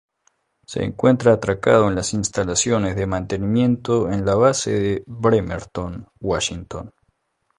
Se encuentra atracado en las instalaciones de mantenimiento en la base de Bremerton, Washington.